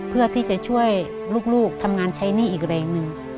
เพื่อที่จะช่วยลูกทำงานใช้หนี้อีกแรงหนึ่ง